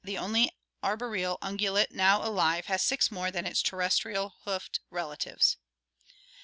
hyrax, the only arboreal ungulate now alive, has six more than its terrestrial, hoofed relatives.